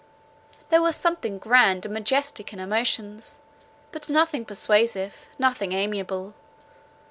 There was something grand and majestic in her motions, but nothing persuasive, nothing amiable.